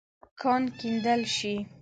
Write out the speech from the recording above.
کان کیندل شې.